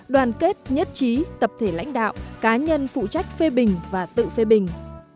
đoàn kết nhất trí tập thể lãnh đạo cá nhân phụ trách phê bình và tự phê bình